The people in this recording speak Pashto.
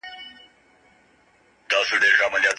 ملخ 🦗